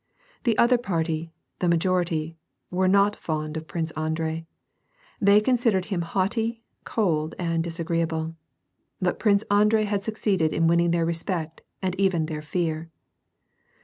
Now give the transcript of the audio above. The other party, the majority, were not fond of Prince Andrei ; they considered him hatighty, cold, and disagreeable. But Prince Andrei had suc ceeded in winning their respect and even their fear.